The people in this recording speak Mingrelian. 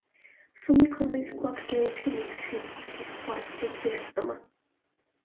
სუმი ქომოლ სქუაქ გეურჩქინდუ თე ხენწიფეში სქუას თე ცირაწკჷმა.